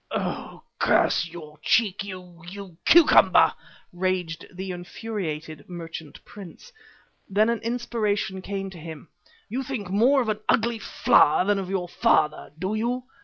"Oh! curse your cheek, you you cucumber!" raged the infuriated merchant prince. Then an inspiration came to him. "You think more of an ugly flower than of your father, do you?